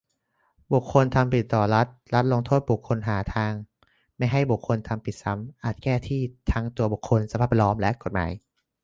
บุคคลทำผิดต่อรัฐ รัฐลงโทษบุคคล หาทางไม่ให้บุคคลทำผิดซ้ำ อาจแก้ที่ทั้งตัวบุคคล สภาพแวดล้อม และกฎหมาย